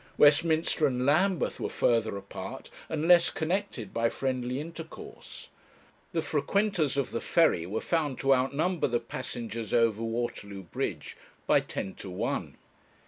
Westminster and Lambeth were further apart, and less connected by friendly intercourse. The frequenters of the ferry were found to outnumber the passengers over Waterloo Bridge by ten to one.